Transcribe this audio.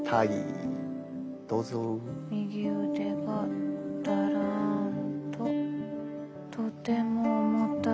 「右腕がだらんととても重たい」。